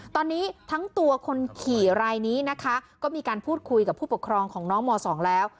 ตอนนี้ทั้งตัวคนขี่รายนี้นะคะก็มีการพูดคุยกับผู้ปกครองของน้องม๒แล้ว